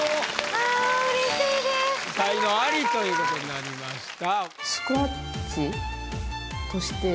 ああ才能アリということになりました。